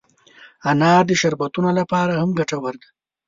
انار د شربتونو لپاره هم ګټور دی.